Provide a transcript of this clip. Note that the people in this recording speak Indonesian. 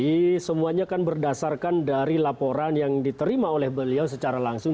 jadi semuanya kan berdasarkan dari laporan yang diterima oleh beliau secara langsung